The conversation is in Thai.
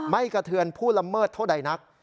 กระเทือนผู้ละเมิดเท่าใดนัก